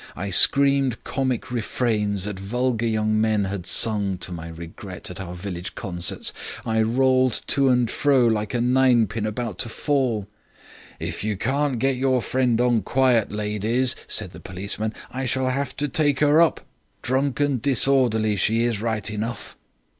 I screamed comic refrains that vulgar young men had sung, to my regret, at our village concerts; I rolled to and fro like a ninepin about to fall. "'If you can't get your friend on quiet, ladies,' said the policeman, 'I shall have to take 'er up. Drunk and disorderly she is right enough.'